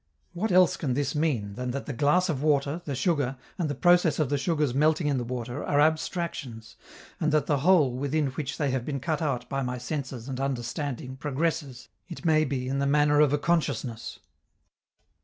What else can this mean than that the glass of water, the sugar, and the process of the sugar's melting in the water are abstractions, and that the Whole within which they have been cut out by my senses and understanding progresses, it may be in the manner of a consciousness?